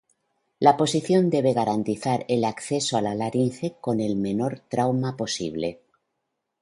La posición debe garantizar el acceso a la laringe con el menor trauma posible.